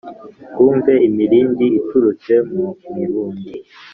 Twumve imirindi iturutse mu mirundi